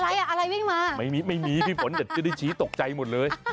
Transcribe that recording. อ่ะอะไรวิ่งมาไม่มีไม่มีพี่ฝนเดี๋ยวจะได้ชี้ตกใจหมดเลย